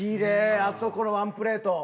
あそこのワンプレート。